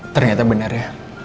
ternyata benar ya